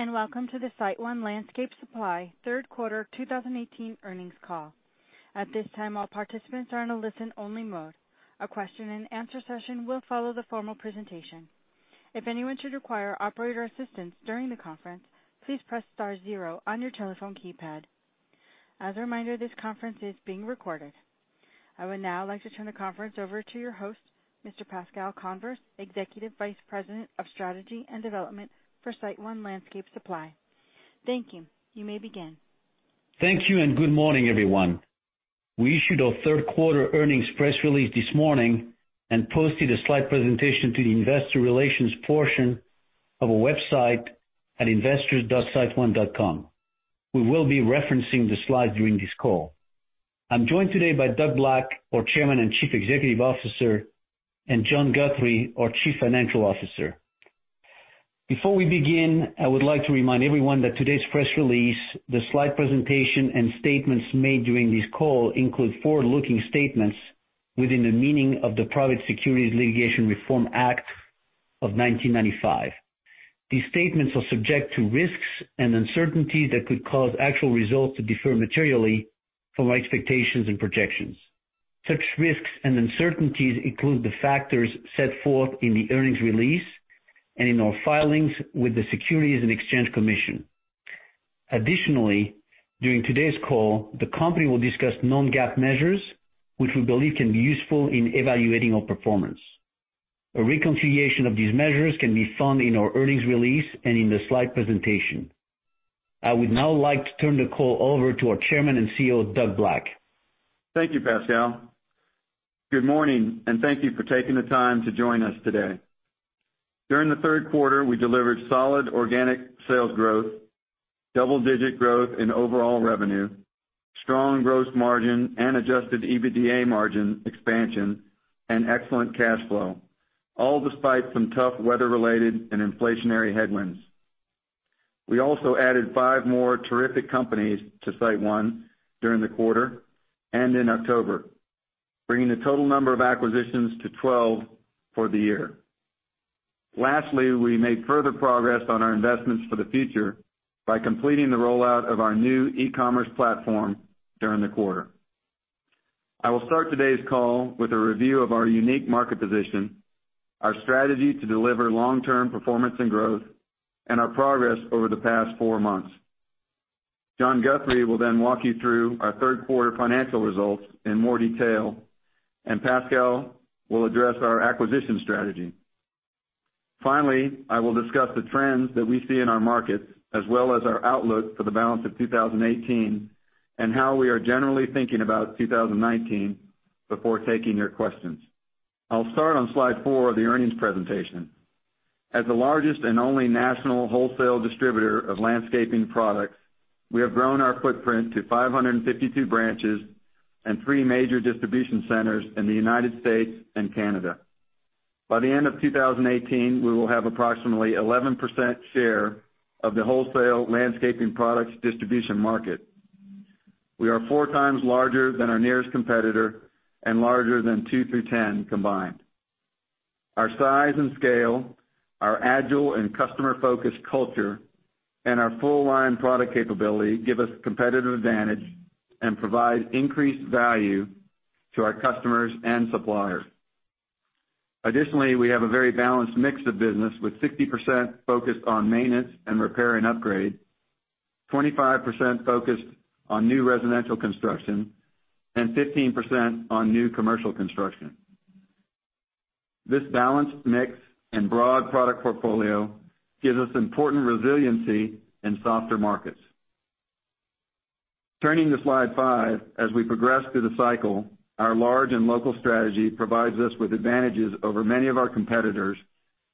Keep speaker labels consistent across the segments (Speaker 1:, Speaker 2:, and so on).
Speaker 1: Greetings. Welcome to the SiteOne Landscape Supply third quarter 2018 earnings call. At this time, all participants are in a listen-only mode. A question and answer session will follow the formal presentation. If anyone should require operator assistance during the conference, please press star zero on your telephone keypad. As a reminder, this conference is being recorded. I would now like to turn the conference over to your host, Mr. Pascal Convers, Executive Vice President of Strategy and Development for SiteOne Landscape Supply. Thank you. You may begin.
Speaker 2: Thank you. Good morning, everyone. We issued our third quarter earnings press release this morning and posted a slide presentation to the investor relations portion of our website at investors.siteone.com. We will be referencing the slides during this call. I am joined today by Doug Black, our Chairman and Chief Executive Officer, and John Guthrie, our Chief Financial Officer. Before we begin, I would like to remind everyone that today's press release, the slide presentation, and statements made during this call include forward-looking statements within the meaning of the Private Securities Litigation Reform Act of 1995. These statements are subject to risks and uncertainties that could cause actual results to differ materially from our expectations and projections. Such risks and uncertainties include the factors set forth in the earnings release and in our filings with the Securities and Exchange Commission. During today's call, the company will discuss non-GAAP measures which we believe can be useful in evaluating our performance. A reconciliation of these measures can be found in our earnings release and in the slide presentation. I would now like to turn the call over to our chairman and CEO, Doug Black.
Speaker 3: Thank you, Pascal. Good morning. Thank you for taking the time to join us today. During the third quarter, we delivered solid organic sales growth, double-digit growth in overall revenue, strong gross margin and adjusted EBITDA margin expansion, and excellent cash flow, all despite some tough weather-related and inflationary headwinds. We also added five more terrific companies to SiteOne during the quarter and in October, bringing the total number of acquisitions to 12 for the year. Lastly, we made further progress on our investments for the future by completing the rollout of our new e-commerce platform during the quarter. I will start today's call with a review of our unique market position, our strategy to deliver long-term performance and growth, and our progress over the past four months. John Guthrie will then walk you through our third quarter financial results in more detail. Pascal will address our acquisition strategy. Finally, I will discuss the trends that we see in our markets, as well as our outlook for the balance of 2018 and how we are generally thinking about 2019 before taking your questions. I'll start on slide four of the earnings presentation. As the largest and only national wholesale distributor of landscaping products, we have grown our footprint to 552 branches and three major distribution centers in the United States and Canada. By the end of 2018, we will have approximately 11% share of the wholesale landscaping products distribution market. We are four times larger than our nearest competitor and larger than two through 10 combined. Our size and scale, our agile and customer-focused culture, and our full-line product capability give us competitive advantage and provide increased value to our customers and suppliers. Additionally, we have a very balanced mix of business, with 60% focused on maintenance and repair and upgrade, 25% focused on new residential construction, and 15% on new commercial construction. This balanced mix and broad product portfolio gives us important resiliency in softer markets. Turning to slide five. As we progress through the cycle, our large and local strategy provides us with advantages over many of our competitors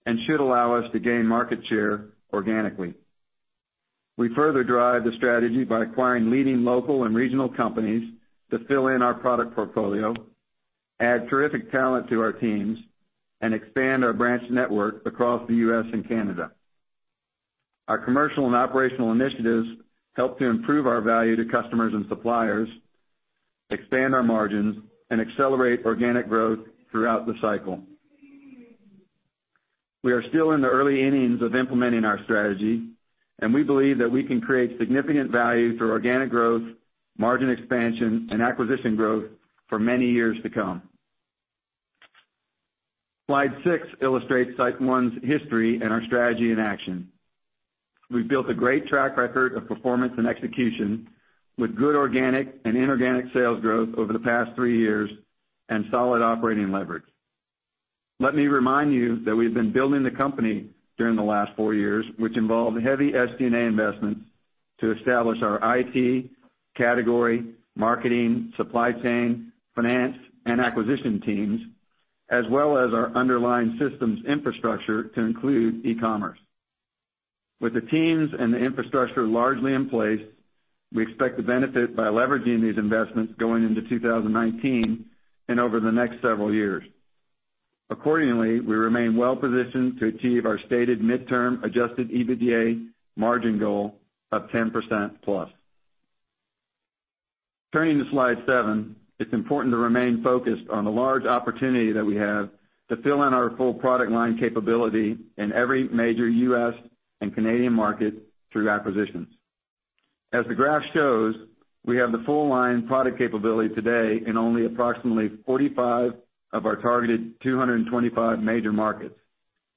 Speaker 3: and should allow us to gain market share organically. We further drive the strategy by acquiring leading local and regional companies to fill in our product portfolio, add terrific talent to our teams, and expand our branch network across the U.S. and Canada. Our commercial and operational initiatives help to improve our value to customers and suppliers, expand our margins, and accelerate organic growth throughout the cycle. We are still in the early innings of implementing our strategy. We believe that we can create significant value through organic growth, margin expansion, and acquisition growth for many years to come. Slide six illustrates SiteOne's history and our strategy in action. We've built a great track record of performance and execution with good organic and inorganic sales growth over the past three years and solid operating leverage. Let me remind you that we've been building the company during the last four years, which involved heavy SG&A investments to establish our IT, category, marketing, supply chain, finance, and acquisition teams, as well as our underlying systems infrastructure to include e-commerce. With the teams and the infrastructure largely in place, we expect to benefit by leveraging these investments going into 2019 and over the next several years. Accordingly, we remain well positioned to achieve our stated midterm adjusted EBITDA margin goal of 10% plus. Turning to slide seven, it's important to remain focused on the large opportunity that we have to fill in our full product line capability in every major U.S. and Canadian market through acquisitions. As the graph shows, we have the full line product capability today in only approximately 45 of our targeted 225 major markets,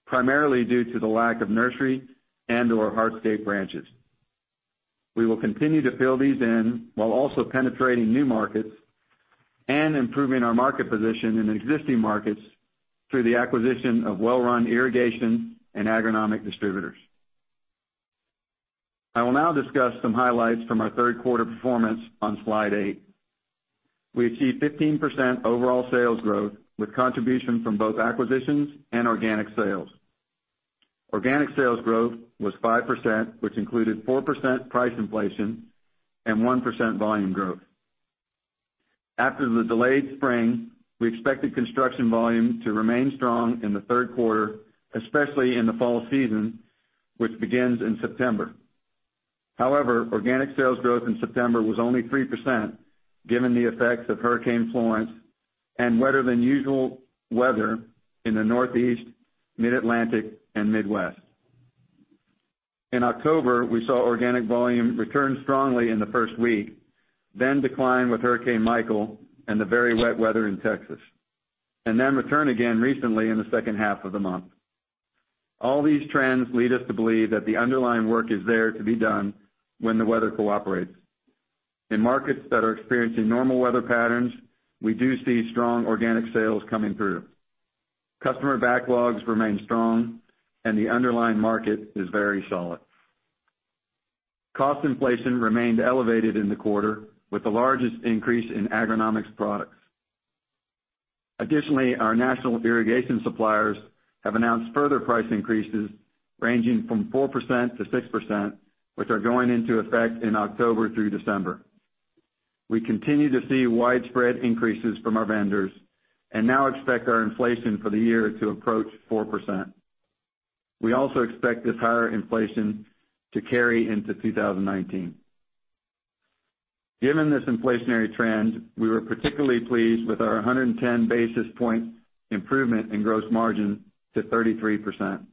Speaker 3: primarily due to the lack of nursery and/or hardscape branches. We will continue to fill these in while also penetrating new markets and improving our market position in existing markets through the acquisition of well-run irrigation and agronomic distributors. I will now discuss some highlights from our third quarter performance on slide eight. We achieved 15% overall sales growth, with contribution from both acquisitions and organic sales. Organic sales growth was 5%, which included 4% price inflation and 1% volume growth. After the delayed spring, we expected construction volume to remain strong in the third quarter, especially in the fall season, which begins in September. However, organic sales growth in September was only 3% given the effects of Hurricane Florence and wetter than usual weather in the Northeast, mid-Atlantic, and Midwest. In October, we saw organic volume return strongly in the first week, then decline with Hurricane Michael and the very wet weather in Texas, and then return again recently in the second half of the month. All these trends lead us to believe that the underlying work is there to be done when the weather cooperates. In markets that are experiencing normal weather patterns, we do see strong organic sales coming through. Customer backlogs remain strong. The underlying market is very solid. Cost inflation remained elevated in the quarter, with the largest increase in agronomics products. Our national irrigation suppliers have announced further price increases ranging from 4%-6%, which are going into effect in October through December. We continue to see widespread increases from our vendors and now expect our inflation for the year to approach 4%. We expect this higher inflation to carry into 2019. Given this inflationary trend, we were particularly pleased with our 110 basis point improvement in gross margin to 33%.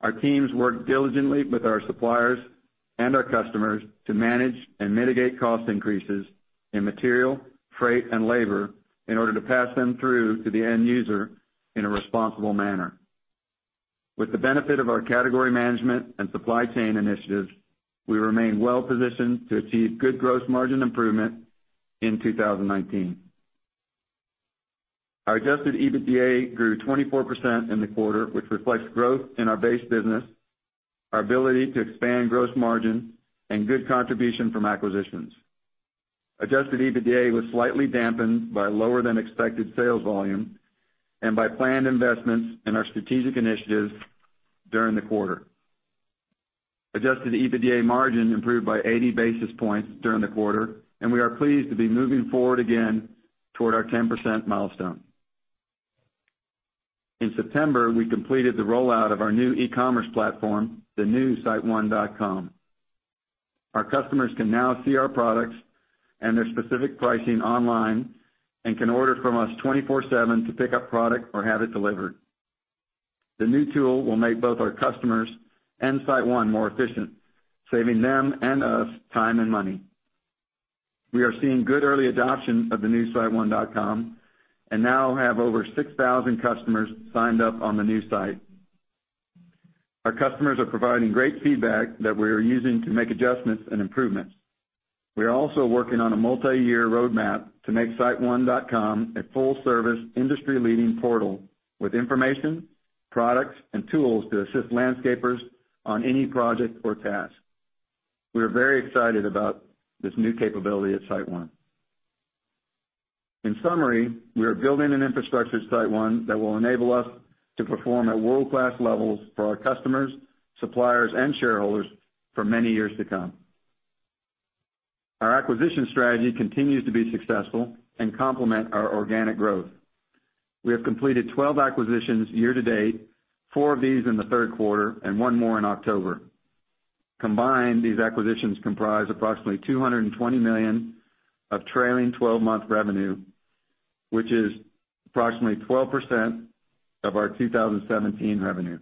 Speaker 3: Our teams worked diligently with our suppliers and our customers to manage and mitigate cost increases in material, freight, and labor in order to pass them through to the end user in a responsible manner. With the benefit of our category management and supply chain initiatives, we remain well positioned to achieve good gross margin improvement in 2019. Our adjusted EBITDA grew 24% in the quarter, which reflects growth in our base business, our ability to expand gross margin, and good contribution from acquisitions. Adjusted EBITDA was slightly dampened by lower than expected sales volume and by planned investments in our strategic initiatives during the quarter. Adjusted EBITDA margin improved by 80 basis points during the quarter. We are pleased to be moving forward again toward our 10% milestone. In September, we completed the rollout of our new e-commerce platform, the new siteone.com. Our customers can now see our products and their specific pricing online and can order from us 24/7 to pick up product or have it delivered. The new tool will make both our customers and SiteOne more efficient, saving them and us time and money. We are seeing good early adoption of the new siteone.com and now have over 6,000 customers signed up on the new site. Our customers are providing great feedback that we are using to make adjustments and improvements. We are working on a multi-year roadmap to make siteone.com a full service, industry leading portal with information, products, and tools to assist landscapers on any project or task. We are very excited about this new capability at SiteOne. In summary, we are building an infrastructure at SiteOne that will enable us to perform at world-class levels for our customers, suppliers, and shareholders for many years to come. Our acquisition strategy continues to be successful and complement our organic growth. We have completed 12 acquisitions year to date, four of these in the third quarter and one more in October. Combined, these acquisitions comprise approximately $220 million of trailing 12-month revenue, which is approximately 12% of our 2017 revenue.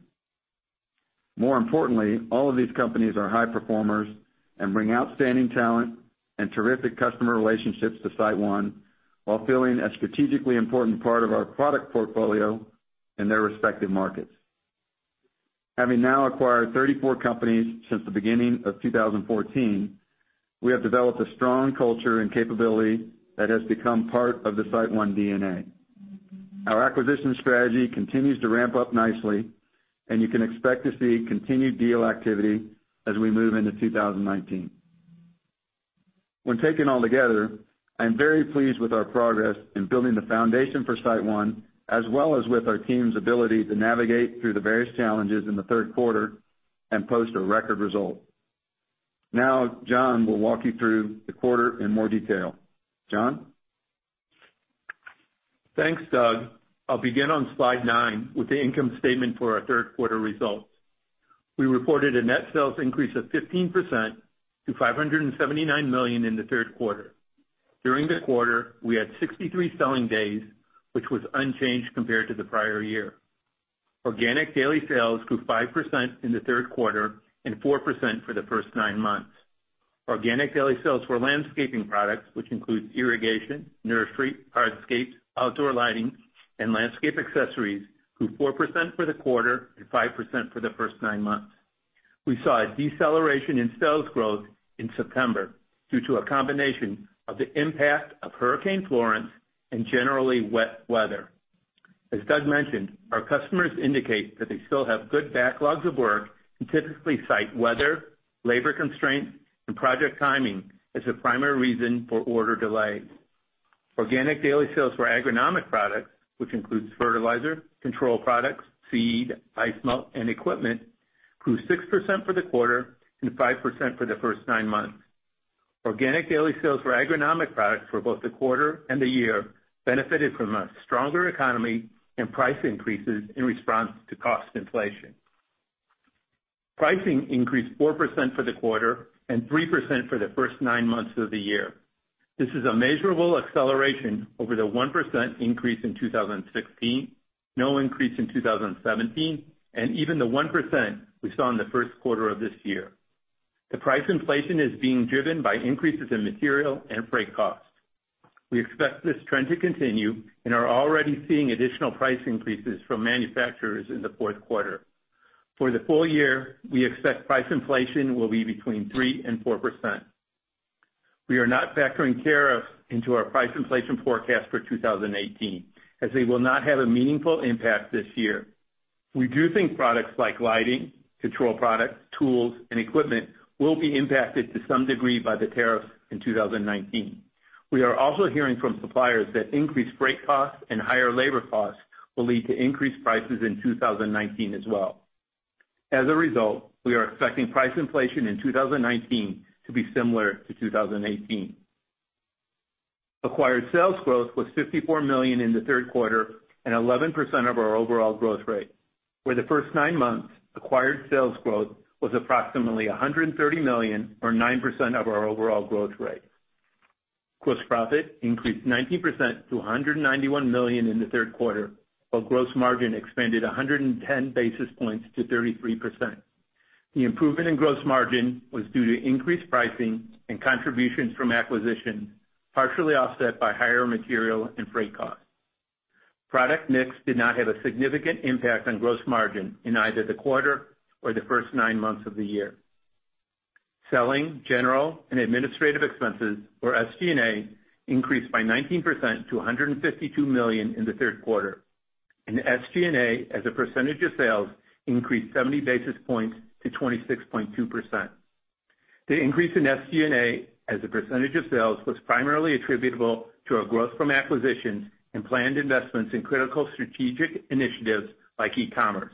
Speaker 3: More importantly, all of these companies are high performers and bring outstanding talent and terrific customer relationships to SiteOne while filling a strategically important part of our product portfolio in their respective markets. Having now acquired 34 companies since the beginning of 2014, we have developed a strong culture and capability that has become part of the SiteOne DNA. Our acquisition strategy continues to ramp up nicely, and you can expect to see continued deal activity as we move into 2019. When taken all together, I am very pleased with our progress in building the foundation for SiteOne, as well as with our team's ability to navigate through the various challenges in the third quarter and post a record result. John will walk you through the quarter in more detail. John?
Speaker 4: Thanks, Doug. I'll begin on slide nine with the income statement for our third quarter results. We reported a net sales increase of 15% to $579 million in the third quarter. During the quarter, we had 63 selling days, which was unchanged compared to the prior year. Organic daily sales grew 5% in the third quarter and 4% for the first nine months. Organic daily sales for landscaping products, which includes irrigation, nursery, hardscapes, outdoor lighting, and landscape accessories, grew 4% for the quarter and 5% for the first nine months. We saw a deceleration in sales growth in September due to a combination of the impact of Hurricane Florence and generally wet weather. As Doug mentioned, our customers indicate that they still have good backlogs of work and typically cite weather, labor constraints, and project timing as the primary reason for order delays. Organic daily sales for agronomic products, which includes fertilizer, control products, seed, ice melt, and equipment, grew 6% for the quarter and 5% for the first nine months. Organic daily sales for agronomic products for both the quarter and the year benefited from a stronger economy and price increases in response to cost inflation. Pricing increased 4% for the quarter and 3% for the first nine months of the year. This is a measurable acceleration over the 1% increase in 2016, no increase in 2017, and even the 1% we saw in the first quarter of this year. The price inflation is being driven by increases in material and freight costs. We expect this trend to continue and are already seeing additional price increases from manufacturers in the fourth quarter. For the full year, we expect price inflation will be between 3% and 4%. We are not factoring tariffs into our price inflation forecast for 2018, as they will not have a meaningful impact this year. We do think products like lighting, control products, tools, and equipment will be impacted to some degree by the tariffs in 2019. We are also hearing from suppliers that increased freight costs and higher labor costs will lead to increased prices in 2019 as well. We are expecting price inflation in 2019 to be similar to 2018. Acquired sales growth was $54 million in the third quarter and 11% of our overall growth rate. For the first nine months, acquired sales growth was approximately $130 million or 9% of our overall growth rate. Gross profit increased 19% to $191 million in the third quarter, while gross margin expanded 110 basis points to 33%. The improvement in gross margin was due to increased pricing and contributions from acquisitions, partially offset by higher material and freight costs. Product mix did not have a significant impact on gross margin in either the quarter or the first nine months of the year. Selling, general, and administrative expenses, or SG&A, increased by 19% to $152 million in the third quarter, and SG&A as a percentage of sales increased 70 basis points to 26.2%. The increase in SG&A as a percentage of sales was primarily attributable to our growth from acquisitions and planned investments in critical strategic initiatives like e-commerce.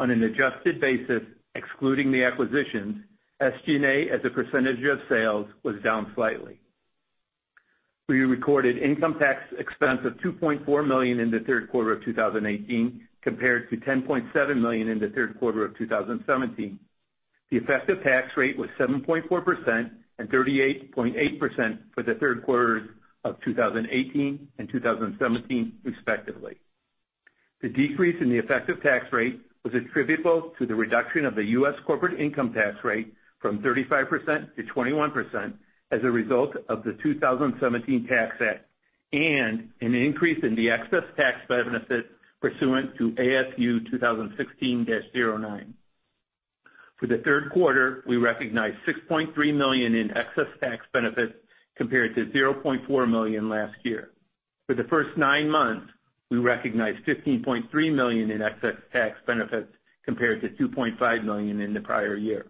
Speaker 4: On an adjusted basis, excluding the acquisitions, SG&A as a percentage of sales was down slightly. We recorded income tax expense of $2.4 million in the third quarter of 2018 compared to $10.7 million in the third quarter of 2017. The effective tax rate was 7.4% and 38.8% for the third quarters of 2018 and 2017 respectively. The decrease in the effective tax rate was attributable to the reduction of the U.S. corporate income tax rate from 35% to 21% as a result of the 2017 Tax Act, and an increase in the excess tax benefit pursuant to ASU 2016-09. For the third quarter, we recognized $6.3 million in excess tax benefits, compared to $0.4 million last year. For the first nine months, we recognized $15.3 million in excess tax benefits compared to $2.5 million in the prior year.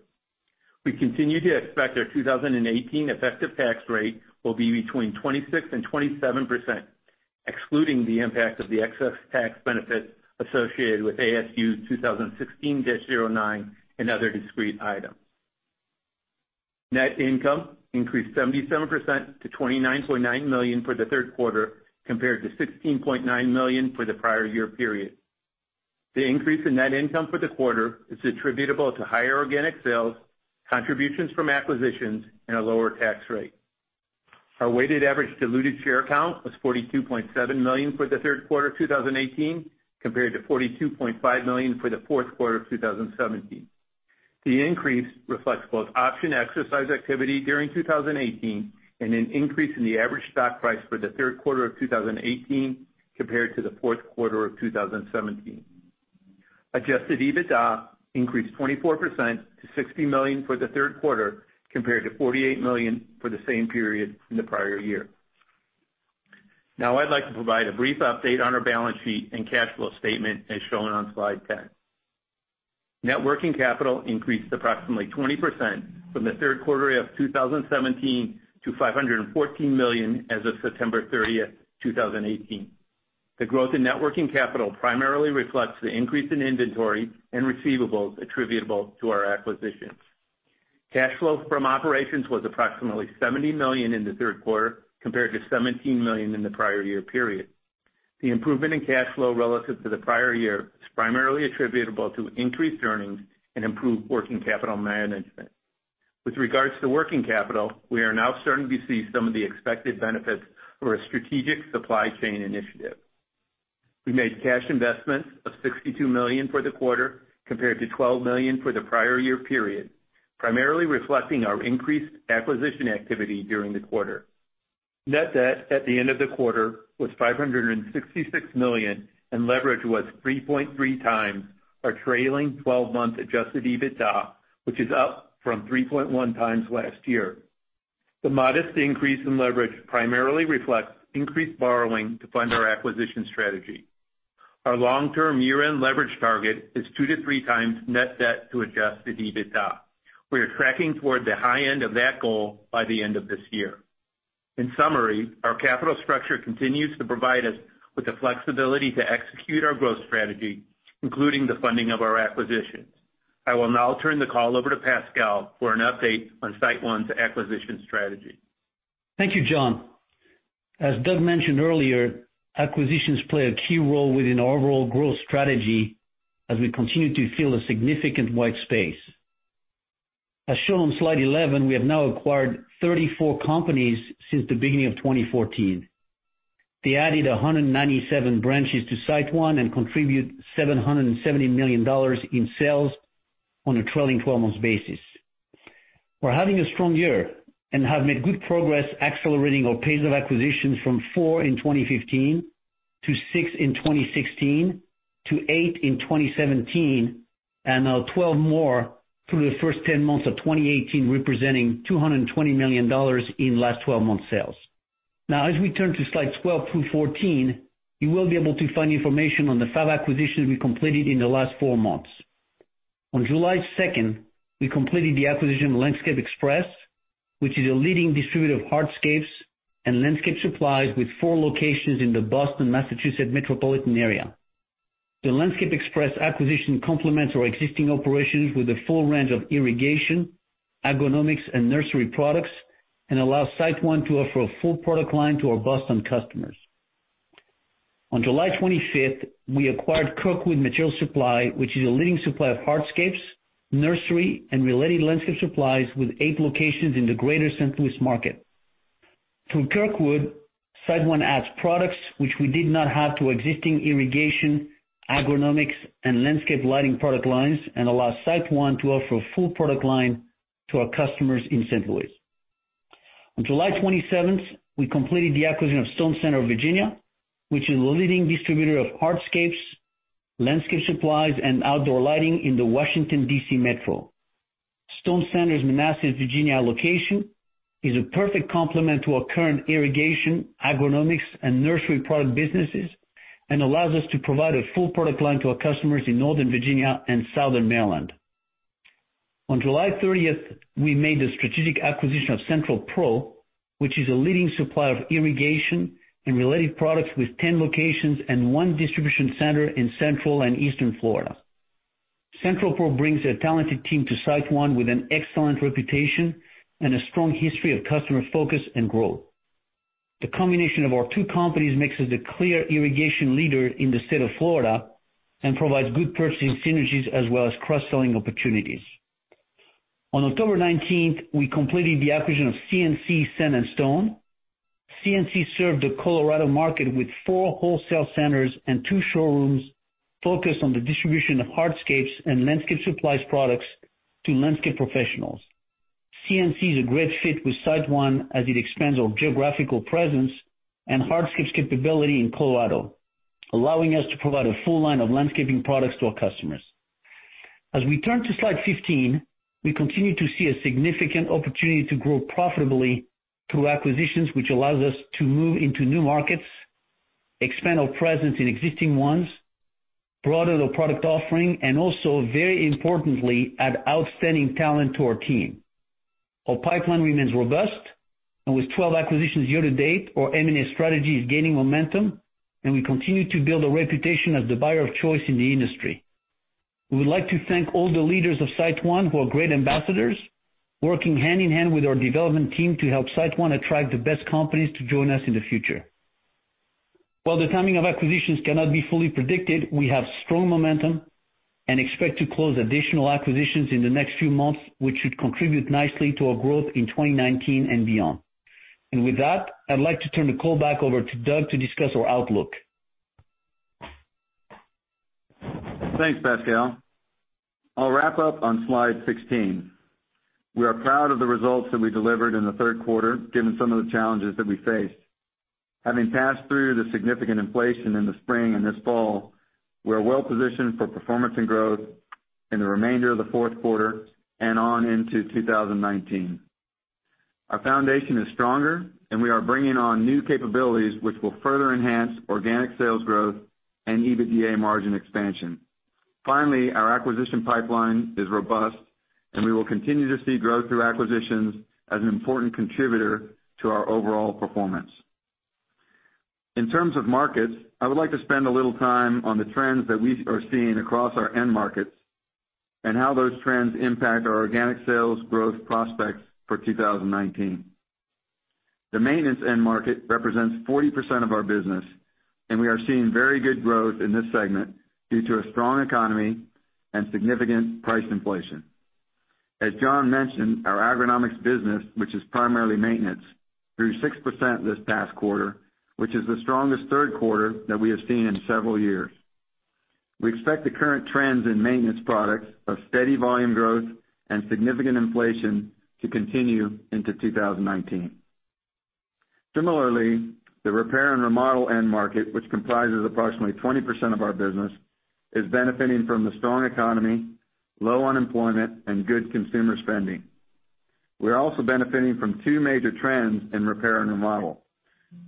Speaker 4: We continue to expect our 2018 effective tax rate will be between 26% and 27%, excluding the impact of the excess tax benefit associated with ASU 2016-09 and other discrete items. Net income increased 77% to $29.9 million for the third quarter compared to $16.9 million for the prior year period. The increase in net income for the quarter is attributable to higher organic sales, contributions from acquisitions, and a lower tax rate. Our weighted average diluted share count was 42.7 million for the third quarter 2018 compared to 42.5 million for the fourth quarter of 2017. The increase reflects both option exercise activity during 2018 and an increase in the average stock price for the third quarter of 2018 compared to the fourth quarter of 2017. Adjusted EBITDA increased 24% to $60 million for the third quarter compared to $48 million for the same period in the prior year. I'd like to provide a brief update on our balance sheet and cash flow statement as shown on slide 10. Net working capital increased approximately 20% from the third quarter of 2017 to $514 million as of September 30th, 2018. The growth in net working capital primarily reflects the increase in inventory and receivables attributable to our acquisitions. Cash flow from operations was approximately $70 million in the third quarter, compared to $17 million in the prior year period. The improvement in cash flow relative to the prior year is primarily attributable to increased earnings and improved working capital management. With regards to working capital, we are now starting to see some of the expected benefits for a strategic supply chain initiative. We made cash investments of $62 million for the quarter, compared to $12 million for the prior year period, primarily reflecting our increased acquisition activity during the quarter. Net debt at the end of the quarter was $566 million, and leverage was 3.3 times our trailing 12-month adjusted EBITDA, which is up from 3.1 times last year. The modest increase in leverage primarily reflects increased borrowing to fund our acquisition strategy. Our long-term year-end leverage target is two to three times net debt to adjusted EBITDA. We are tracking toward the high end of that goal by the end of this year. In summary, our capital structure continues to provide us with the flexibility to execute our growth strategy, including the funding of our acquisitions. I will now turn the call over to Pascal for an update on SiteOne's acquisition strategy.
Speaker 2: Thank you, John. As Doug mentioned earlier, acquisitions play a key role within our overall growth strategy as we continue to fill a significant white space. As shown on slide 11, we have now acquired 34 companies since the beginning of 2014. They added 197 branches to SiteOne and contribute $770 million in sales on a trailing 12-month basis. We are having a strong year and have made good progress accelerating our pace of acquisitions from four in 2015 to six in 2016 to eight in 2017, and now 12 more through the first 10 months of 2018, representing $220 million in last 12-month sales. As we turn to slides 12 through 14, you will be able to find information on the five acquisitions we completed in the last four months. On July 2nd, we completed the acquisition of Landscape Express, which is a leading distributor of hardscapes and landscape supplies with four locations in the Boston, Massachusetts metropolitan area. The Landscape Express acquisition complements our existing operations with a full range of irrigation, agronomics, and nursery products and allows SiteOne to offer a full product line to our Boston customers. On July 25th, we acquired Kirkwood Material Supply, which is a leading supplier of hardscapes, nursery, and related landscape supplies with eight locations in the greater St. Louis market. Through Kirkwood, SiteOne adds products which we did not have to existing irrigation, agronomics, and landscape lighting product lines and allows SiteOne to offer a full product line to our customers in St. Louis. On July 27th, we completed the acquisition of Stone Center of Virginia, which is a leading distributor of hardscapes, landscape supplies, and outdoor lighting in the Washington, D.C. metro. Stone Center's Manassas, Virginia location is a perfect complement to our current irrigation, agronomics, and nursery product businesses and allows us to provide a full product line to our customers in Northern Virginia and Southern Maryland. On July 30th, we made the strategic acquisition of CentralPro, which is a leading supplier of irrigation and related products with 10 locations and one distribution center in Central and Eastern Florida. CentralPro brings a talented team to SiteOne with an excellent reputation and a strong history of customer focus and growth. The combination of our two companies makes us a clear irrigation leader in the state of Florida and provides good purchasing synergies as well as cross-selling opportunities. On October 19th, we completed the acquisition of C&C Sand and Stone. C&C served the Colorado market with four wholesale centers and two showrooms focused on the distribution of hardscapes and landscape supplies products to landscape professionals. C&C is a great fit with SiteOne as it expands our geographical presence and hardscapes capability in Colorado, allowing us to provide a full line of landscaping products to our customers. As we turn to slide 15, we continue to see a significant opportunity to grow profitably through acquisitions, which allows us to move into new markets, expand our presence in existing ones, broaden our product offering, and also, very importantly, add outstanding talent to our team. Our pipeline remains robust. With 12 acquisitions year to date, our M&A strategy is gaining momentum, and we continue to build a reputation as the buyer of choice in the industry. We would like to thank all the leaders of SiteOne who are great ambassadors, working hand-in-hand with our development team to help SiteOne attract the best companies to join us in the future. While the timing of acquisitions cannot be fully predicted, we have strong momentum and expect to close additional acquisitions in the next few months, which should contribute nicely to our growth in 2019 and beyond. With that, I'd like to turn the call back over to Doug to discuss our outlook.
Speaker 3: Thanks, Pascal. I'll wrap up on slide 16. We are proud of the results that we delivered in the third quarter, given some of the challenges that we faced. Having passed through the significant inflation in the spring and this fall, we are well positioned for performance and growth in the remainder of the fourth quarter and on into 2019. Our foundation is stronger, and we are bringing on new capabilities, which will further enhance organic sales growth and EBITDA margin expansion. Finally, our acquisition pipeline is robust, and we will continue to see growth through acquisitions as an important contributor to our overall performance. In terms of markets, I would like to spend a little time on the trends that we are seeing across our end markets and how those trends impact our organic sales growth prospects for 2019. The maintenance end market represents 40% of our business, and we are seeing very good growth in this segment due to a strong economy and significant price inflation. As John mentioned, our agronomics business, which is primarily maintenance, grew 6% this past quarter, which is the strongest third quarter that we have seen in several years. We expect the current trends in maintenance products of steady volume growth and significant inflation to continue into 2019. The repair and remodel end market, which comprises approximately 20% of our business, is benefiting from the strong economy, low unemployment, and good consumer spending. We are also benefiting from two major trends in repair and remodel.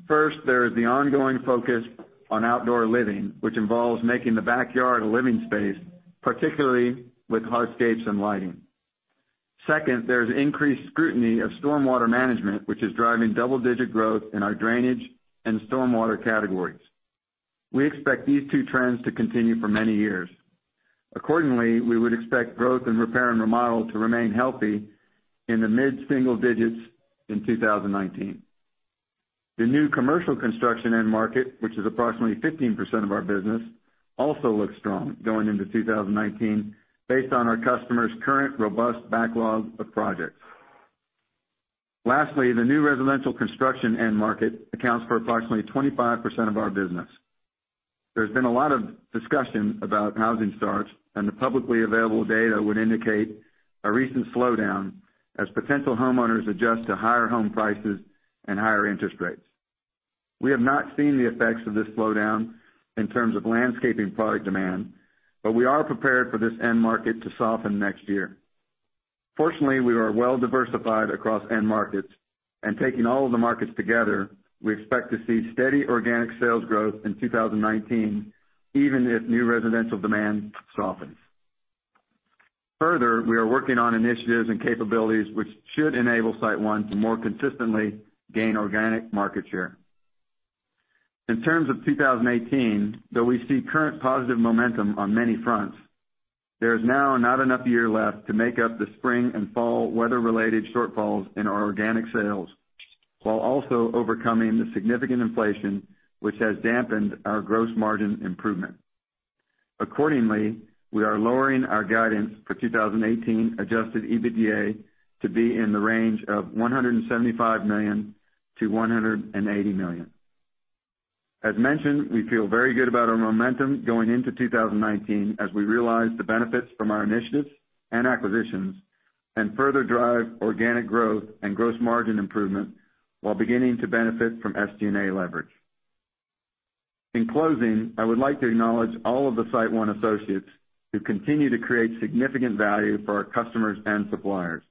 Speaker 3: First, there is the ongoing focus on outdoor living, which involves making the backyard a living space, particularly with hardscapes and lighting. Second, there is increased scrutiny of stormwater management, which is driving double-digit growth in our drainage and stormwater categories. We expect these two trends to continue for many years. We would expect growth in repair and remodel to remain healthy in the mid-single digits in 2019. The new commercial construction end market, which is approximately 15% of our business, also looks strong going into 2019 based on our customers' current robust backlog of projects. The new residential construction end market accounts for approximately 25% of our business. There has been a lot of discussion about housing starts, and the publicly available data would indicate a recent slowdown as potential homeowners adjust to higher home prices and higher interest rates. We have not seen the effects of this slowdown in terms of landscaping product demand, but we are prepared for this end market to soften next year. We are well-diversified across end markets and taking all of the markets together, we expect to see steady organic sales growth in 2019, even if new residential demand softens. We are working on initiatives and capabilities which should enable SiteOne to more consistently gain organic market share. In terms of 2018, though we see current positive momentum on many fronts, there is now not enough year left to make up the spring and fall weather-related shortfalls in our organic sales, while also overcoming the significant inflation which has dampened our gross margin improvement. We are lowering our guidance for 2018 adjusted EBITDA to be in the range of $175 million-$180 million. As mentioned, we feel very good about our momentum going into 2019 as we realize the benefits from our initiatives and acquisitions and further drive organic growth and gross margin improvement while beginning to benefit from SG&A leverage. In closing, I would like to acknowledge all of the SiteOne associates who continue to create significant value for our customers and suppliers.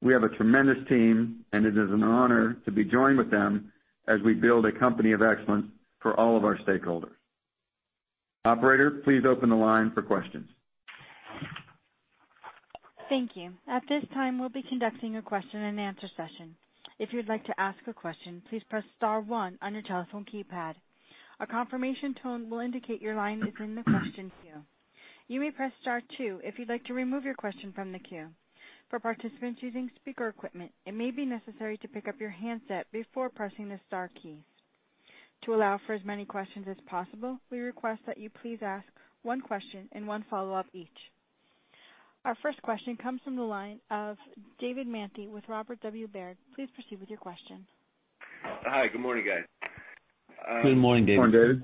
Speaker 3: We have a tremendous team, and it is an honor to be joined with them as we build a company of excellence for all of our stakeholders. Operator, please open the line for questions.
Speaker 1: Thank you. At this time, we'll be conducting a question and answer session. If you'd like to ask a question, please press star one on your telephone keypad. A confirmation tone will indicate your line is in the question queue. You may press star two if you'd like to remove your question from the queue. For participants using speaker equipment, it may be necessary to pick up your handset before pressing the star keys. To allow for as many questions as possible, we request that you please ask one question and one follow-up each. Our first question comes from the line of David Manthey with Robert W. Baird. Please proceed with your question.
Speaker 5: Hi, good morning, guys.
Speaker 3: Good morning, David.
Speaker 4: Good morning,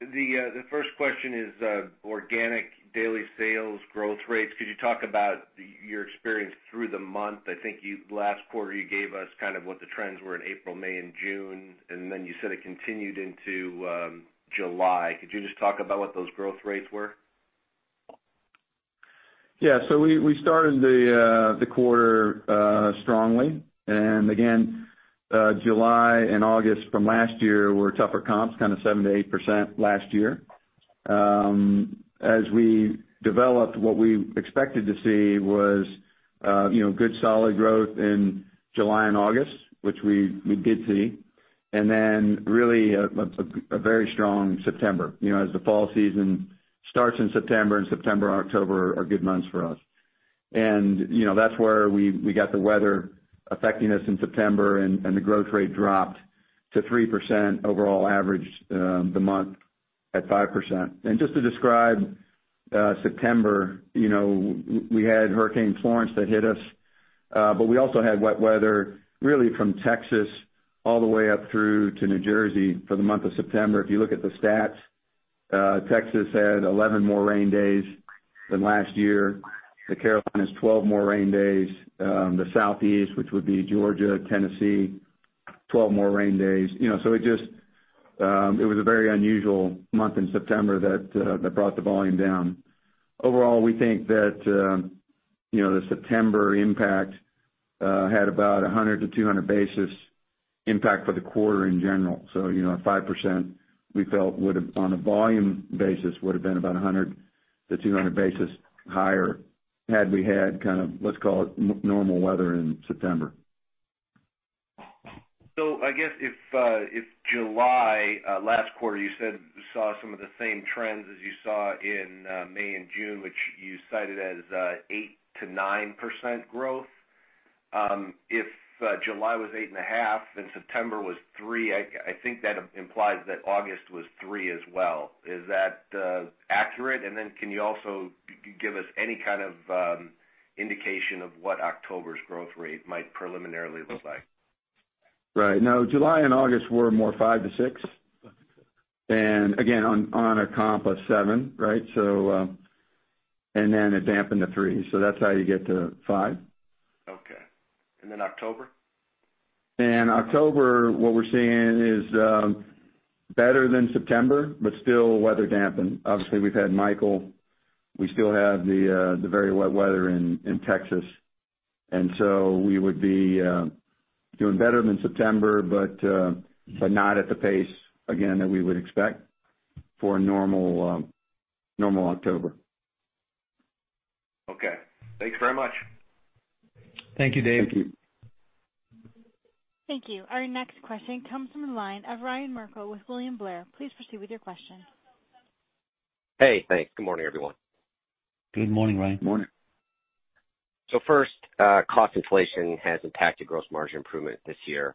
Speaker 4: David.
Speaker 5: The first question is organic daily sales growth rates. Could you talk about your experience through the month? I think last quarter, you gave us kind of what the trends were in April, May, and June, you said it continued into July. Could you just talk about what those growth rates were?
Speaker 3: Yeah. We started the quarter strongly. Again, July and August from last year were tougher comps, kind of 7%-8% last year. As we developed what we expected to see was good solid growth in July and August, which we did see, really a very strong September, the fall season starts in September September and October are good months for us. That's where we got the weather affecting us in September and the growth rate dropped to 3% overall average the month at 5%. Just to describe September, we had Hurricane Florence that hit us, we also had wet weather really from Texas all the way up through to New Jersey for the month of September. If you look at the stats, Texas had 11 more rain days than last year. The Carolinas, 12 more rain days. The Southeast, which would be Georgia, Tennessee, 12 more rain days. It was a very unusual month in September that brought the volume down. Overall, we think that the September impact had about 100-200 basis impact for the quarter in general. 5% We felt on a volume basis would have been about 100-200 basis higher had we had kind of, let's call it normal weather in September.
Speaker 5: I guess if July last quarter, you said you saw some of the same trends as you saw in May and June, which you cited as 8%-9% growth. If July was 8.5 and September was 3, I think that implies that August was 3 as well. Is that accurate? Then can you also give us any kind of indication of what October's growth rate might preliminarily look like?
Speaker 3: Right. No, July and August were more 5%-6%. Again, on a comp of 7%, right? It dampened to 3%. That's how you get to 5%.
Speaker 5: Okay. October?
Speaker 3: October, what we're seeing is better than September, but still weather dampened. Obviously, we've had Hurricane Michael, we still have the very wet weather in Texas and so we would be doing better than September, but not at the pace again, that we would expect for a normal October.
Speaker 5: Okay. Thanks very much.
Speaker 3: Thank you, Dave.
Speaker 5: Thank you.
Speaker 1: Thank you. Our next question comes from the line of Ryan Merkel with William Blair. Please proceed with your question.
Speaker 6: Hey, thanks. Good morning, everyone.
Speaker 4: Good morning, Ryan. Morning.
Speaker 6: First, cost inflation has impacted gross margin improvement this year.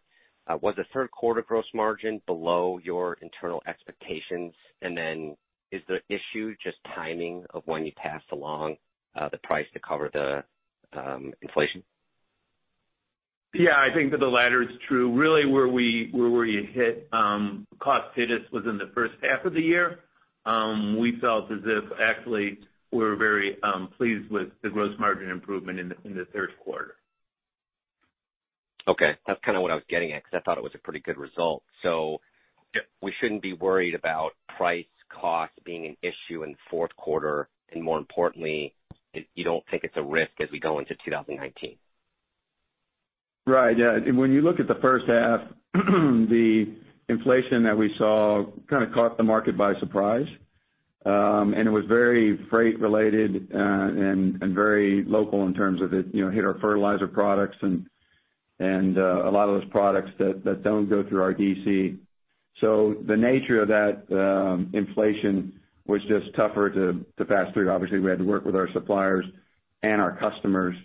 Speaker 6: Was the third quarter gross margin below your internal expectations? Then is the issue just timing of when you pass along the price to cover the inflation?
Speaker 3: Yeah, I think that the latter is true. Really where we hit, cost hit us within the first half of the year. We felt as if actually we're very pleased with the gross margin improvement in the third quarter.
Speaker 6: Okay. That's kind of what I was getting at because I thought it was a pretty good result.
Speaker 3: Yep
Speaker 6: We shouldn't be worried about price cost being an issue in the fourth quarter. More importantly, you don't think it's a risk as we go into 2019.
Speaker 3: Right. Yeah. When you look at the first half, the inflation that we saw kind of caught the market by surprise. It was very freight related, and very local in terms of it hit our fertilizer products and a lot of those products that don't go through our DC. The nature of that inflation was just tougher to pass through. Obviously, we had to work with our suppliers and our customers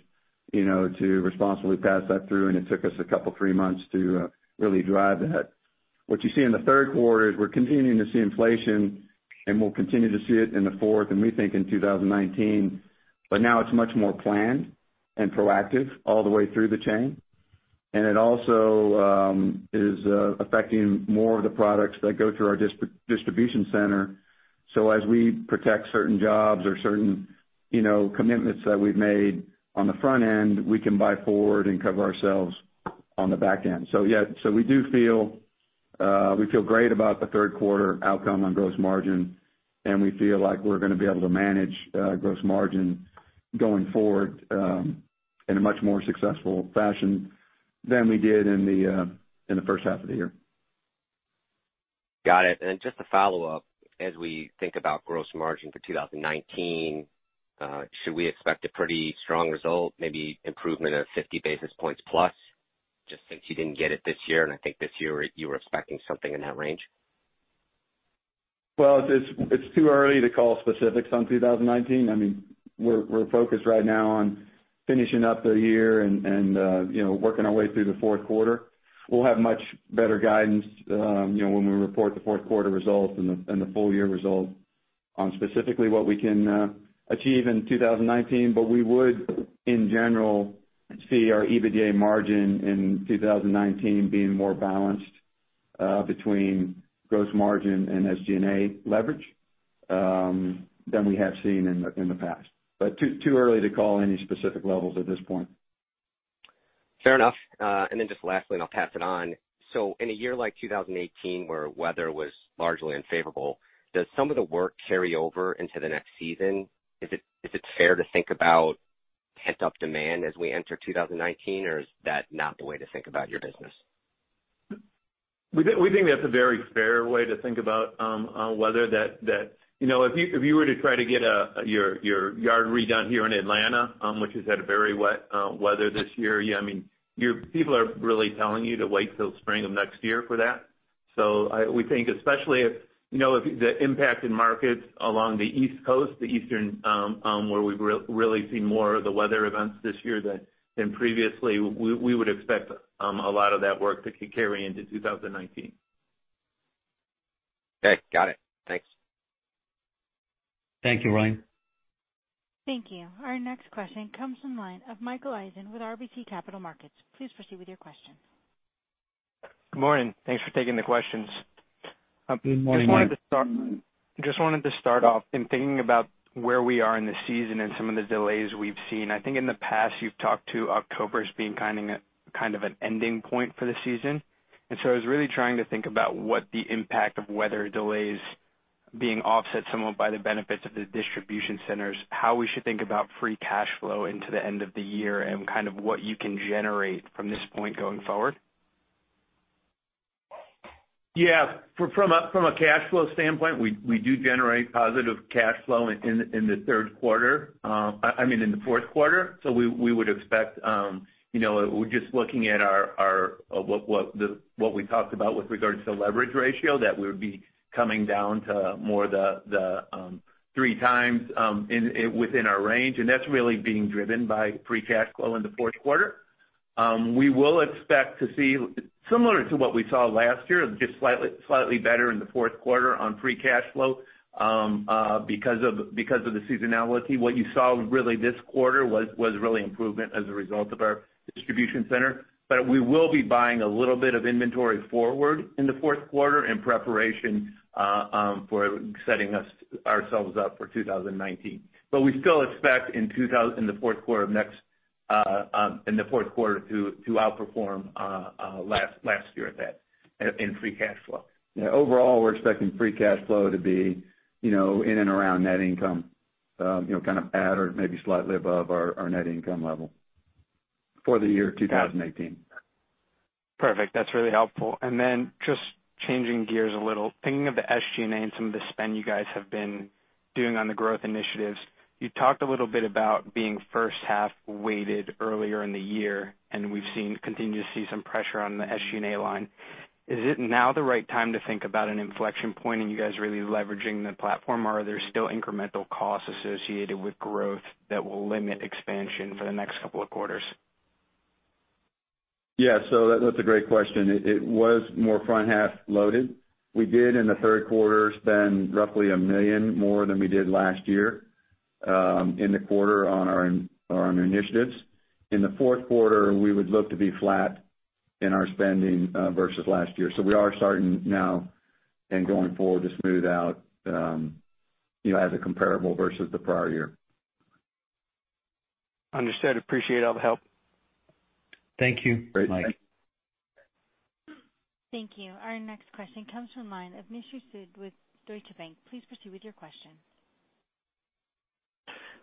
Speaker 3: to responsibly pass that through, and it took us a couple, three months to really drive that. What you see in the third quarter is we're continuing to see inflation, and we'll continue to see it in the fourth and we think in 2019. Now it's much more planned and proactive all the way through the chain. It also is affecting more of the products that go through our distribution center. As we protect certain jobs or certain commitments that we've made on the front end, we can buy forward and cover ourselves on the back end. Yeah, we feel great about the third quarter outcome on gross margin, and we feel like we're going to be able to manage gross margin going forward, in a much more successful fashion than we did in the first half of the year.
Speaker 6: Got it. Just a follow-up, as we think about gross margin for 2019, should we expect a pretty strong result, maybe improvement of 50 basis points plus, just since you didn't get it this year, and I think this year you were expecting something in that range?
Speaker 3: It's too early to call specifics on 2019. We're focused right now on finishing up the year and working our way through the fourth quarter. We'll have much better guidance when we report the fourth quarter results and the full year results on specifically what we can achieve in 2019. We would, in general, see our EBITDA margin in 2019 being more balanced between gross margin and SG&A leverage than we have seen in the past. Too early to call any specific levels at this point.
Speaker 6: Fair enough. Just lastly, and I'll pass it on. In a year like 2018 where weather was largely unfavorable, does some of the work carry over into the next season? Is it fair to think about pent-up demand as we enter 2019? Is that not the way to think about your business?
Speaker 3: We think that's a very fair way to think about weather. If you were to try to get your yard redone here in Atlanta, which has had a very wet weather this year, people are really telling you to wait till spring of next year for that. We think especially if the impact in markets along the East Coast, the Eastern, where we've really seen more of the weather events this year than previously, we would expect a lot of that work to carry into 2019.
Speaker 6: Okay. Got it. Thanks.
Speaker 3: Thank you, Ryan.
Speaker 1: Thank you. Our next question comes from the line of Mike Dahl with RBC Capital Markets. Please proceed with your question.
Speaker 7: Good morning. Thanks for taking the questions.
Speaker 3: Good morning, Mike.
Speaker 7: Just wanted to start off in thinking about where we are in the season and some of the delays we've seen. I think in the past you've talked to October as being kind of an ending point for the season. I was really trying to think about what the impact of weather delays being offset somewhat by the benefits of the distribution centers, how we should think about free cash flow into the end of the year and what you can generate from this point going forward?
Speaker 4: Yeah. From a cash flow standpoint, we do generate positive cash flow in the fourth quarter. We would expect, just looking at what we talked about with regards to leverage ratio, that we would be coming down to more the 3 times within our range. That's really being driven by free cash flow in the fourth quarter. We will expect to see similar to what we saw last year, just slightly better in the fourth quarter on free cash flow because of the seasonality. What you saw really this quarter was really improvement as a result of our distribution center. We will be buying a little bit of inventory forward in the fourth quarter in preparation for setting ourselves up for 2019. We still expect in the fourth quarter to outperform last year at that in free cash flow.
Speaker 3: Yeah. Overall, we're expecting free cash flow to be in and around net income, at or maybe slightly above our net income level for the year 2018.
Speaker 7: Perfect. That's really helpful. Just changing gears a little, thinking of the SG&A and some of the spend you guys have been doing on the growth initiatives. You talked a little bit about being first half weighted earlier in the year, and we've continued to see some pressure on the SG&A line. Is it now the right time to think about an inflection point and you guys really leveraging the platform? Or are there still incremental costs associated with growth that will limit expansion for the next couple of quarters?
Speaker 3: Yeah. That's a great question. It was more front half loaded. We did in the third quarter spend roughly $1 million more than we did last year in the quarter on our initiatives. In the fourth quarter, we would look to be flat in our spending versus last year. We are starting now and going forward to smooth out as a comparable versus the prior year.
Speaker 7: Understood. Appreciate all the help.
Speaker 4: Thank you. Great, Mike.
Speaker 1: Thank you. Our next question comes from the line of Nishu Sood with Deutsche Bank. Please proceed with your question.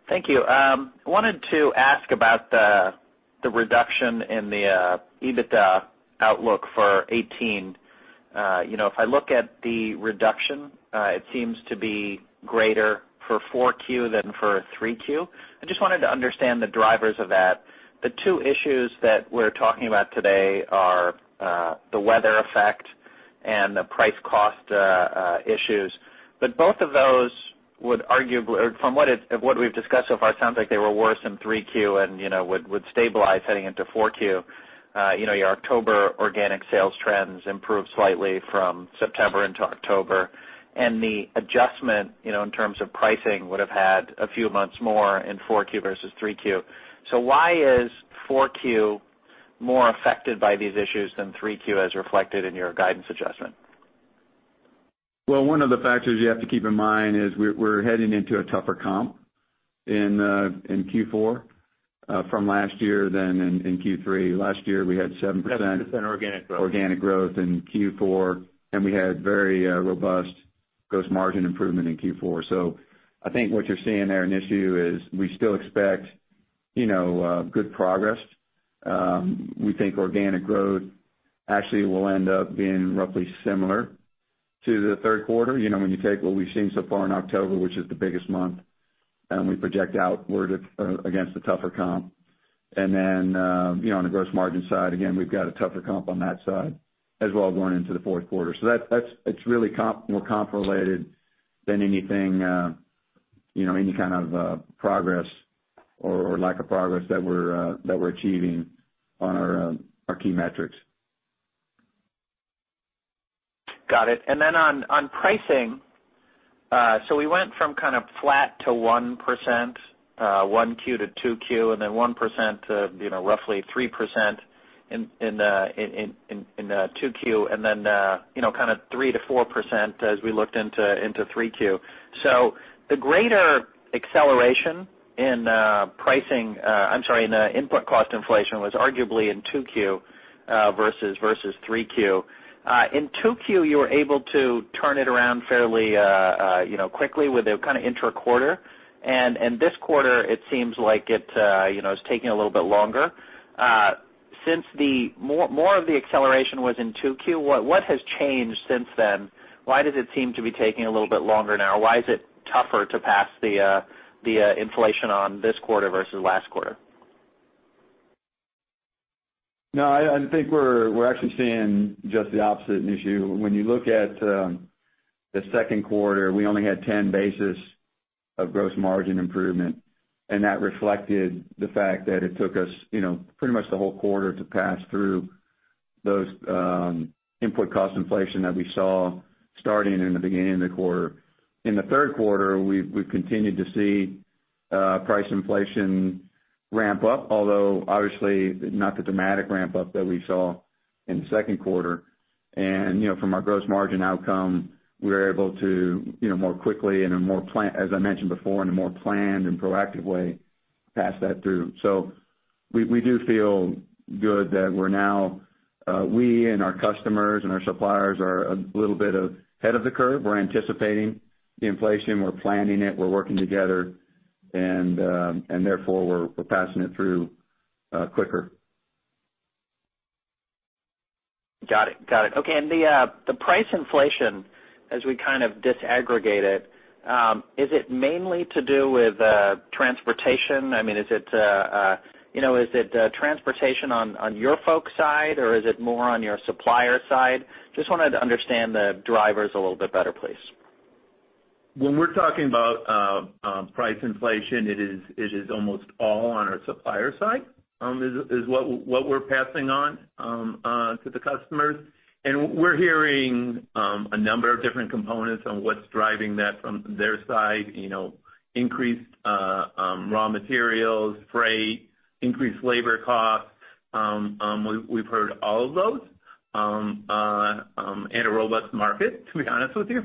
Speaker 8: Thank you. I wanted to ask about the reduction in the EBITDA outlook for 2018. If I look at the reduction, it seems to be greater for 4Q than for 3Q. I just wanted to understand the drivers of that. The two issues that we're talking about today are the weather effect and the price cost issues. Both of those would arguably, or from what we've discussed so far, it sounds like they were worse in 3Q and would stabilize heading into 4Q. Your October organic sales trends improved slightly from September into October, and the adjustment in terms of pricing would have had a few months more in 4Q versus 3Q. Why is 4Q more affected by these issues than 3Q as reflected in your guidance adjustment?
Speaker 3: Well, one of the factors you have to keep in mind is we're heading into a tougher comp in Q4 from last year than in Q3. Last year we had 7% organic growth in Q4, and we had very robust gross margin improvement in Q4. I think what you're seeing there, Nishu, is we still expect good progress. We think organic growth actually will end up being roughly similar to the third quarter. When you take what we've seen so far in October, which is the biggest month, and we project outward against the tougher comp. Then on the gross margin side, again, we've got a tougher comp on that side as well going into the fourth quarter. It's really more comp related than any kind of progress or lack of progress that we're achieving on our key metrics.
Speaker 8: Got it. Then on pricing, we went from kind of flat to 1%, 1Q to 2Q, then 1% to roughly 3% in the 2Q, then kind of 3% to 4% as we looked into 3Q. The greater acceleration in pricing—I'm sorry, in the input cost inflation was arguably in 2Q versus 3Q. In 2Q, you were able to turn it around fairly quickly with a kind of intra-quarter. This quarter it seems like it is taking a little bit longer. Since more of the acceleration was in 2Q, what has changed since then? Why does it seem to be taking a little bit longer now? Why is it tougher to pass the inflation on this quarter versus last quarter?
Speaker 3: No, I think we're actually seeing just the opposite, Nishu. When you look at the second quarter, we only had 10 basis of gross margin improvement, that reflected the fact that it took us pretty much the whole quarter to pass through those input cost inflation that we saw starting in the beginning of the quarter. In the third quarter, we've continued to see price inflation ramp up, although obviously not the dramatic ramp-up that we saw in the second quarter. From our gross margin outcome, we were able to more quickly and as I mentioned before, in a more planned and proactive way, pass that through. We do feel good that we're now, we and our customers and our suppliers are a little bit ahead of the curve. We're anticipating the inflation, we're planning it, we're working together, and therefore, we're passing it through quicker.
Speaker 8: Got it. Okay. The price inflation, as we kind of disaggregate it, is it mainly to do with transportation? Is it transportation on your folks' side, or is it more on your supplier side? Just wanted to understand the drivers a little bit better, please.
Speaker 3: When we're talking about price inflation, it is almost all on our supplier side, is what we're passing on to the customers. We're hearing a number of different components on what's driving that from their side. Increased raw materials, freight, increased labor costs. We've heard all of those, and a robust market, to be honest with you.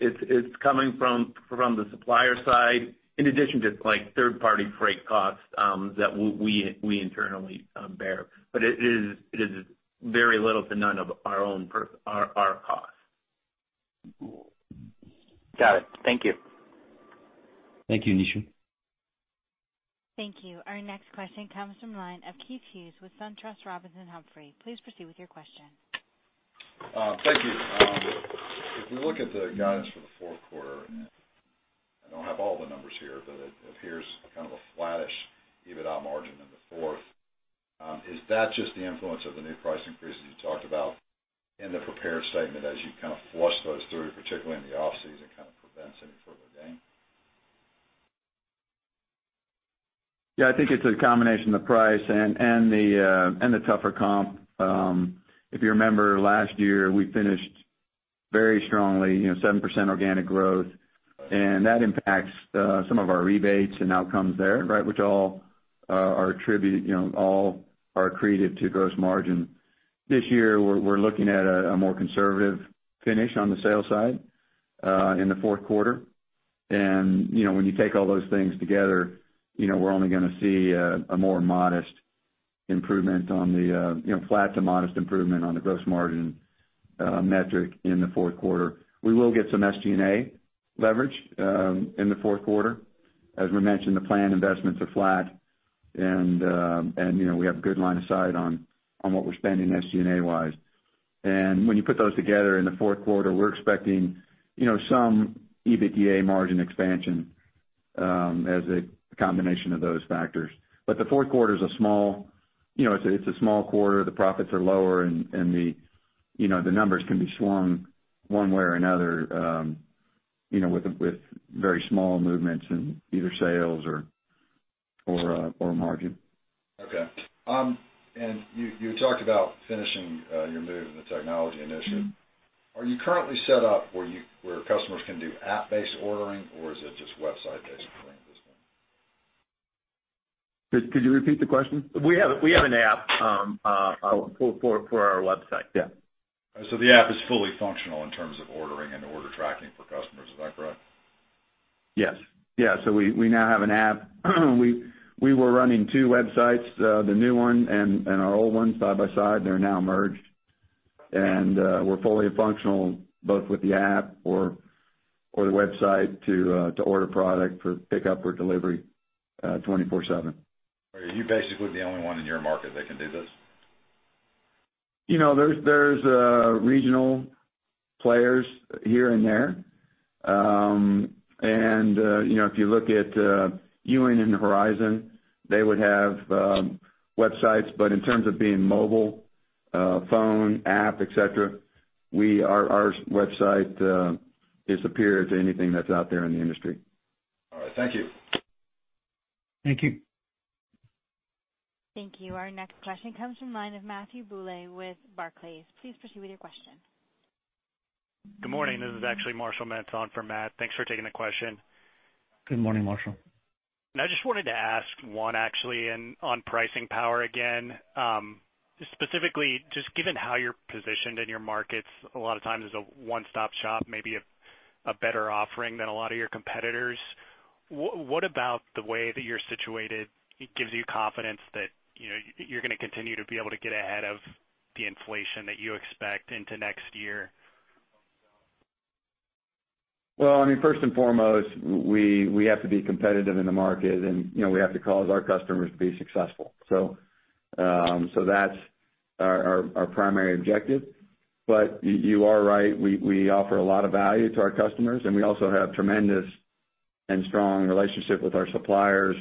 Speaker 3: It's coming from the supplier side, in addition to third-party freight costs that we internally bear. It is very little to none of our costs.
Speaker 8: Got it. Thank you.
Speaker 2: Thank you, Nishu.
Speaker 1: Thank you. Our next question comes from the line of Keith Hughes with SunTrust Robinson Humphrey. Please proceed with your question.
Speaker 9: Thank you. If we look at the guidance for the fourth quarter, and I don't have all the numbers here, but it appears kind of a flattish EBITDA margin in the fourth. Is that just the influence of the new price increases you talked about in the prepared statement as you kind of flush those through, particularly in the off-season, kind of prevents any further gain?
Speaker 3: I think it's a combination of price and the tougher comp. If you remember last year, we finished very strongly, 7% organic growth, and that impacts some of our rebates and outcomes there, which all are accretive to gross margin. This year, we're looking at a more conservative finish on the sales side, in the fourth quarter. When you take all those things together, we're only going to see a more modest improvement on the flat to modest improvement on the gross margin metric in the fourth quarter. We will get some SG&A leverage in the fourth quarter. As we mentioned, the planned investments are flat and we have good line of sight on what we're spending SG&A-wise. When you put those together in the fourth quarter, we're expecting some EBITDA margin expansion as a combination of those factors. The fourth quarter is a small quarter. The profits are lower and the numbers can be swung one way or another with very small movements in either sales or margin.
Speaker 9: You talked about finishing your move in the technology initiative. Are you currently set up where customers can do app-based ordering, or is it just website-based ordering at this point?
Speaker 3: Could you repeat the question?
Speaker 4: We have an app for our website.
Speaker 3: Yeah.
Speaker 9: The app is fully functional in terms of ordering and order tracking for customers, is that correct?
Speaker 3: Yes. We now have an app. We were running two websites, the new one and our old one side by side. They're now merged. We're fully functional, both with the app or the website to order product for pickup or delivery 24/7.
Speaker 9: Are you basically the only one in your market that can do this?
Speaker 3: There's regional players here and there. If you look at Ewing and Horizon, they would have websites. In terms of being mobile, phone, app, et cetera, our website is superior to anything that's out there in the industry.
Speaker 9: All right. Thank you.
Speaker 2: Thank you.
Speaker 1: Thank you. Our next question comes from line of Matthew Bouley with Barclays. Please proceed with your question.
Speaker 10: Good morning. This is actually Marshall Mentz for Matt. Thanks for taking the question.
Speaker 2: Good morning, Marshall.
Speaker 10: I just wanted to ask one actually and on pricing power again. Specifically, just given how you're positioned in your markets, a lot of times as a one-stop shop, maybe a better offering than a lot of your competitors. What about the way that you're situated gives you confidence that you're going to continue to be able to get ahead of the inflation that you expect into next year?
Speaker 3: Well, first and foremost, we have to be competitive in the market, and we have to cause our customers to be successful. That's our primary objective. You are right, we offer a lot of value to our customers, and we also have tremendous and strong relationship with our suppliers.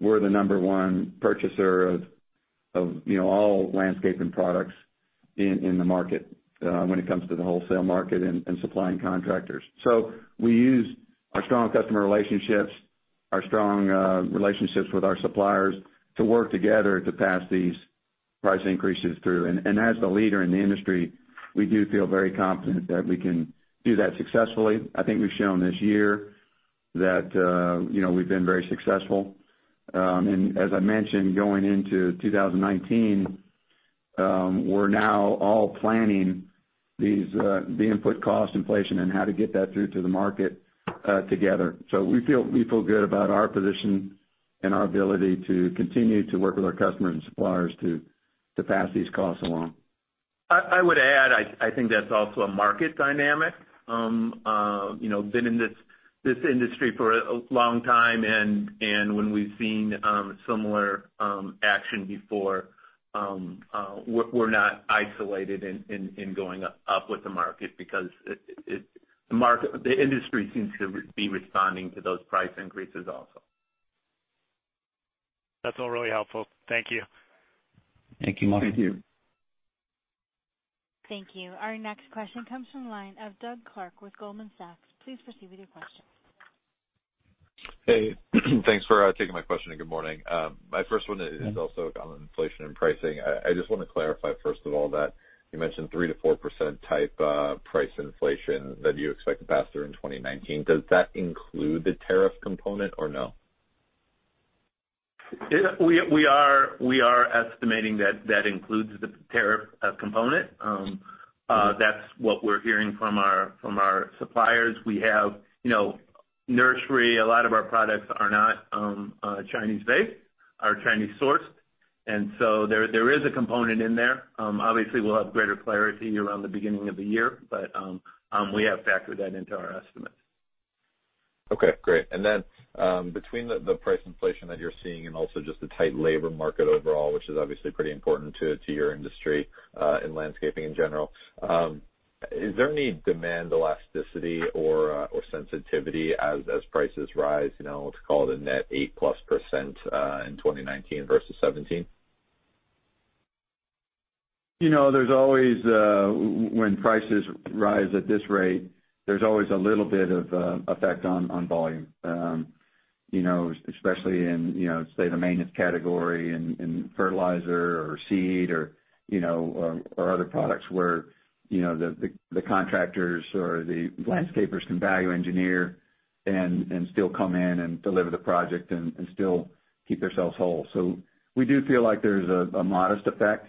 Speaker 3: We're the number one purchaser of all landscaping products in the market when it comes to the wholesale market and supplying contractors. We use our strong customer relationships, our strong relationships with our suppliers to work together to pass these price increases through. As the leader in the industry, we do feel very confident that we can do that successfully. I think we've shown this year that we've been very successful. As I mentioned, going into 2019, we're now all planning the input cost inflation and how to get that through to the market together. We feel good about our position and our ability to continue to work with our customers and suppliers to pass these costs along.
Speaker 4: I would add, I think that's also a market dynamic. Been in this industry for a long time, and when we've seen similar action before, we're not isolated in going up with the market because the industry seems to be responding to those price increases also.
Speaker 10: That's all really helpful. Thank you.
Speaker 3: Thank you.
Speaker 4: Thank you.
Speaker 1: Thank you. Our next question comes from the line of Doug Clark with Goldman Sachs. Please proceed with your question.
Speaker 11: Hey, thanks for taking my question. Good morning. My first one is also on inflation and pricing. I just want to clarify, first of all, that you mentioned 3%-4% type price inflation that you expect to pass through in 2019. Does that include the tariff component or no?
Speaker 4: We are estimating that includes the tariff component. That's what we're hearing from our suppliers. We have nursery. A lot of our products are not Chinese-based or Chinese-sourced. There is a component in there. Obviously, we'll have greater clarity around the beginning of the year, we have factored that into our estimates.
Speaker 11: Okay, great. Then, between the price inflation that you're seeing and also just the tight labor market overall, which is obviously pretty important to your industry in landscaping in general, is there any demand elasticity or sensitivity as prices rise? Let's call it a net 8%+ in 2019 versus 2017?
Speaker 3: When prices rise at this rate, there's always a little bit of effect on volume. Especially in, say, the maintenance category and fertilizer or seed or other products where the contractors or the landscapers can value engineer and still come in and deliver the project and still keep themselves whole. We do feel like there's a modest effect.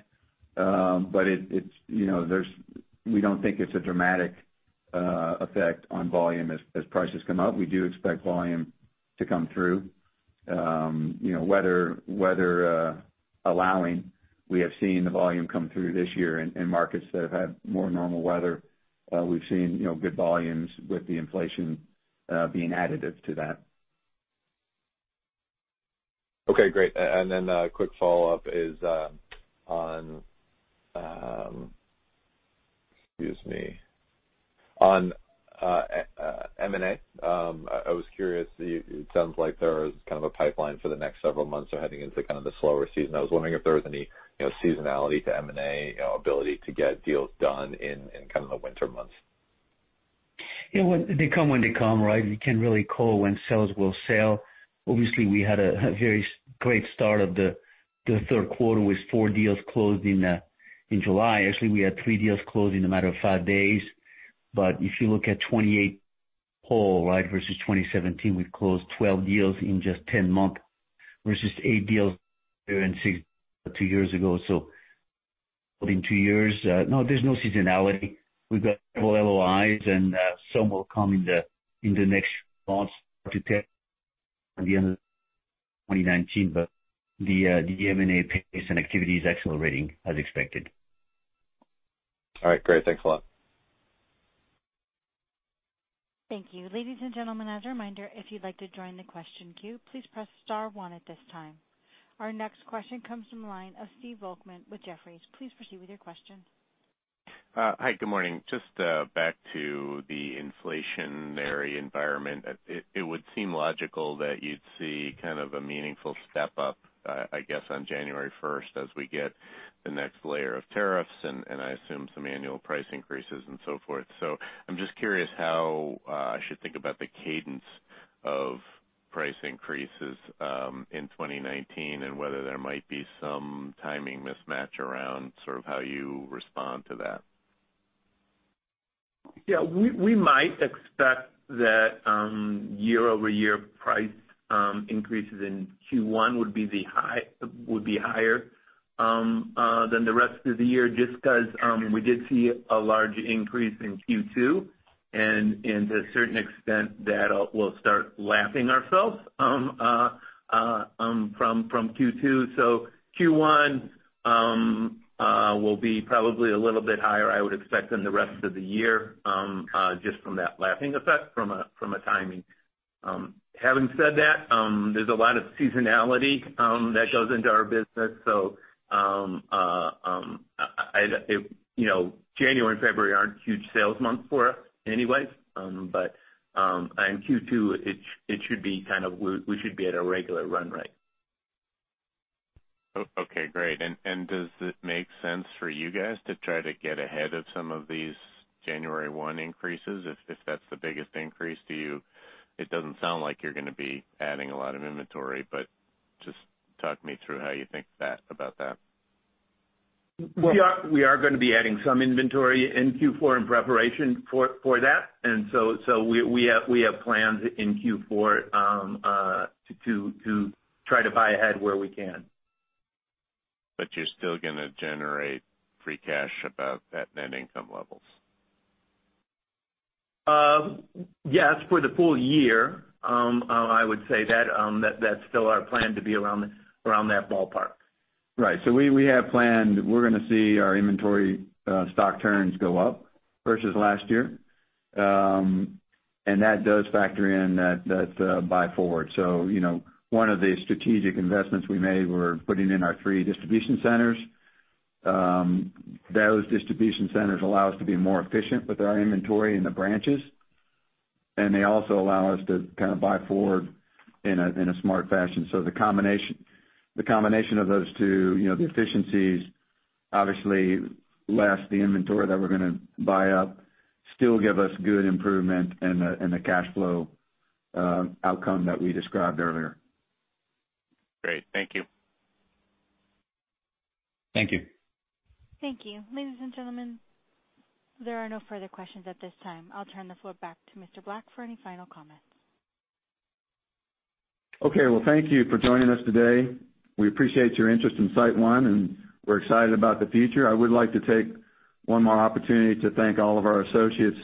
Speaker 3: We don't think it's a dramatic effect on volume as prices come up. We do expect volume to come through. Weather allowing, we have seen the volume come through this year in markets that have had more normal weather. We've seen good volumes with the inflation being additive to that.
Speaker 11: Okay, great. A quick follow-up is on, excuse me, on M&A. I was curious, it sounds like there is kind of a pipeline for the next several months. We're heading into kind of the slower season. I was wondering if there was any seasonality to M&A ability to get deals done in kind of the winter months.
Speaker 3: They come when they come, right? You can't really call when sales will sell. Obviously, we had a very great start of the third quarter with 4 deals closed in July. Actually, we had 3 deals closed in a matter of 5 days. If you look at 2018 whole versus 2017, we've closed 12 deals in just 10 months versus 8 deals two years ago. Within two years, no, there's no seasonality. We've got several LOI, and some will come in the next month or two, at the end of 2019. The M&A pace and activity is accelerating as expected.
Speaker 11: All right, great. Thanks a lot.
Speaker 1: Thank you. Ladies and gentlemen, as a reminder, if you'd like to join the question queue, please press star one at this time. Our next question comes from the line of Stephen Volkmann with Jefferies. Please proceed with your question.
Speaker 12: Hi, good morning. Just back to the inflationary environment. It would seem logical that you'd see kind of a meaningful step-up, I guess, on January 1st as we get the next layer of tariffs and I assume some annual price increases and so forth. I'm just curious how I should think about the cadence of price increases in 2019 and whether there might be some timing mismatch around sort of how you respond to that.
Speaker 4: Yeah, we might expect that year-over-year price increases in Q1 would be higher than the rest of the year, just because we did see a large increase in Q2, and to a certain extent, that we'll start lapping ourselves from Q2. Q1 will be probably a little bit higher, I would expect, than the rest of the year, just from that lapping effect from a timing. Having said that, there's a lot of seasonality that goes into our business. January and February aren't huge sales months for us anyway. In Q2, we should be at a regular run rate.
Speaker 12: Okay, great. Does it make sense for you guys to try to get ahead of some of these January 1 increases, if that's the biggest increase to you? It doesn't sound like you're gonna be adding a lot of inventory, just talk me through how you think about that.
Speaker 4: We are gonna be adding some inventory in Q4 in preparation for that. We have plans in Q4 to try to buy ahead where we can.
Speaker 12: You're still gonna generate free cash above that net income levels.
Speaker 4: Yes, for the full year, I would say that's still our plan to be around that ballpark.
Speaker 3: Right. We have planned, we're gonna see our inventory stock turns go up versus last year. That does factor in that buy forward. One of the strategic investments we made, we're putting in our three distribution centers. Those distribution centers allow us to be more efficient with our inventory and the branches. They also allow us to kind of buy forward in a smart fashion. The combination of those two, the efficiencies, obviously less the inventory that we're gonna buy up, still give us good improvement in the cash flow outcome that we described earlier.
Speaker 12: Great. Thank you.
Speaker 3: Thank you.
Speaker 1: Thank you. Ladies and gentlemen, there are no further questions at this time. I'll turn the floor back to Mr. Black for any final comments.
Speaker 3: Okay. Well, thank you for joining us today. We appreciate your interest in SiteOne, and we're excited about the future. I would like to take one more opportunity to thank all of our associates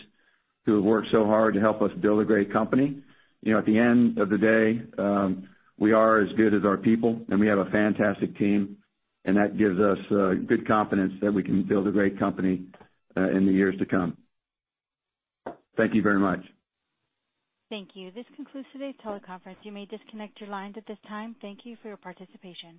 Speaker 3: who have worked so hard to help us build a great company. At the end of the day, we are as good as our people, and we have a fantastic team, and that gives us good confidence that we can build a great company in the years to come. Thank you very much.
Speaker 1: Thank you. This concludes today's teleconference. You may disconnect your lines at this time. Thank you for your participation.